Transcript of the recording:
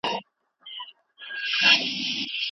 د ټولنپوهنی څېړنې ټولنیز نفاق کموي.